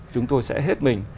chúng tôi sẽ hết mình